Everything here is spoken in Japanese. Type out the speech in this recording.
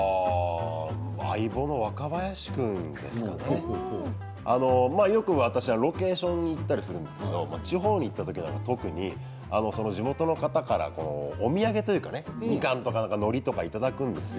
相棒の若林君ですかねよく私はロケーションに行ったりするんですけれども地方に行った時は特に地元の方からお土産というかねみかんとか、のりとかいただくんです。